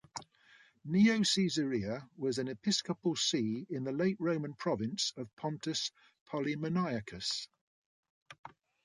Neocaesarea was an episcopal see in the late Roman province of Pontus Polemoniacus.